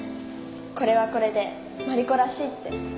これはこれでマリコらしいって。